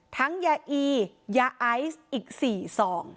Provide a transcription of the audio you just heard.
ทั้งยาอียาไออีก๔ซอง